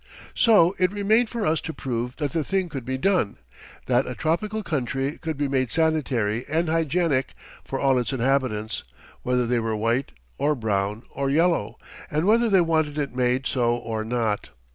So it remained for us to prove that the thing could be done that a tropical country could be made sanitary and hygienic for all its inhabitants, whether they were white or brown or yellow, and whether they wanted it made so or not.